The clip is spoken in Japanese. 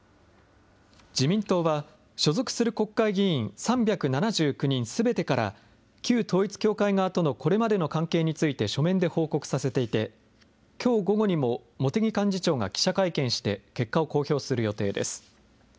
自民党は、所属する国会議員３７９人すべてから、旧統一教会側とのこれまでの関係について書面で報告させていて、きょう午後にも茂木幹事長が記者会見して、結果を公表する予定です。